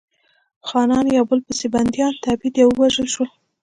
خانان یو په بل پسې بندیان، تبعید یا ووژل شول.